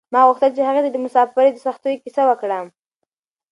ما غوښتل چې هغې ته د مساپرۍ د سختیو کیسه وکړم.